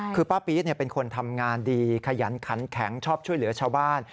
คือป้าปี๊ดเป็นคนทำงานดีขยันขันแข็งชอบช่วยเหลือชาวบ้าน